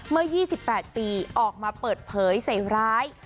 เมื่อ๒๘ปีออกมาเปิดเผยใส่ร้าย